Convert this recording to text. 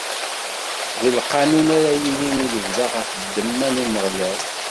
D lqanun ara yilin i lebda ɣef ddemma n Umeɣlal.